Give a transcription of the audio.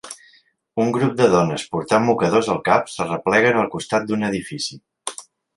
Un grup de dones portant mocadors al cap s'arrepleguen al costat d'un edifici.